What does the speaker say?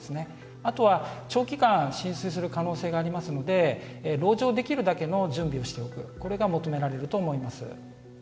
あとは長期間浸水する可能性がありますので籠城できるだけの準備をしておくこれが求められると思います。